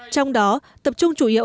trong đó tập trung chủ yếu